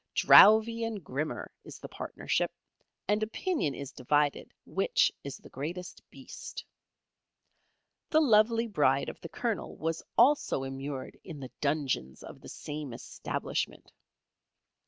Drowvey and Grimmer is the partnership, and opinion is divided which is the greatest Beast. The lovely bride of the Colonel was also immured in the Dungeons of the same establishment.